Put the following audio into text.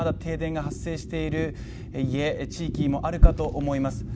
まだ停電が発生しているいえ地域もあるかと思います